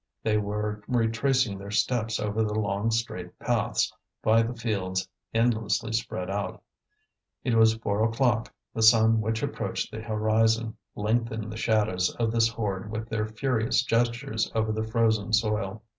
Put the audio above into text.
They were retracing their steps over the long straight paths, by the fields endlessly spread out. It was four o'clock; the sun which approached the horizon, lengthened the shadows of this horde with their furious gestures over the frozen soil.